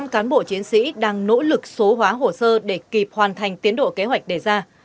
một trăm linh cán bộ chiến sĩ đang nỗ lực số hóa hồ sơ để kịp hoàn thành tiến độ kế hoạch đề ra